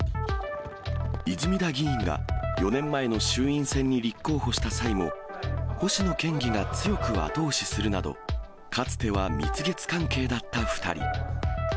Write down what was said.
泉田議員が４年前の衆院選に立候補した際も、星野県議が強く後押しするなど、かつては蜜月関係だった２人。